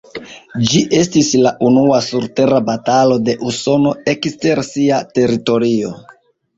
Ĝi estis la unua surtera batalo de Usono ekster sia teritorio.